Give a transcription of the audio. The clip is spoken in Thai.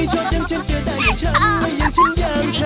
เฮ้ยแหมวแล้วเว้ย